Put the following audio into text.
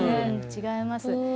違います。